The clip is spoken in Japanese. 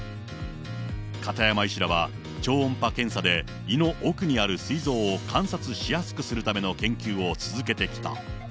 片山医師らは、超音波検査で胃の奥にあるすい臓を観察しやすくするための研究を続けてきた。